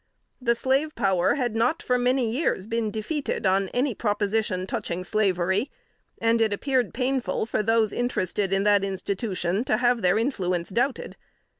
The slave power had not for many years been defeated on any proposition touching slavery, and it appeared painful for those interested in that institution to have their influence doubted.